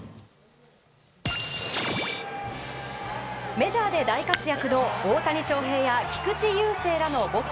メジャーで大活躍の大谷翔平や菊池雄星らの母校